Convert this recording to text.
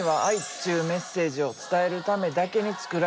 っちゅうメッセージを伝えるためだけに作られた山。